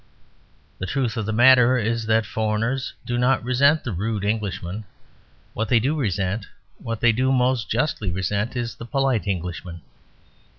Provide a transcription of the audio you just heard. The truth of the matter is that foreigners do not resent the rude Englishman. What they do resent, what they do most justly resent, is the polite Englishman.